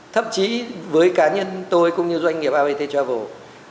thậm chí với cá nhân tôi cũng như doanh nghiệp abt travel